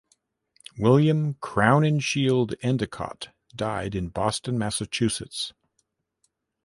William Crowninshield Endicott died in Boston, Massachusetts.